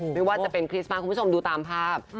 ไม่ว่าจะเป็นคริสต์มาสคุณผู้ชมดูตามภาพ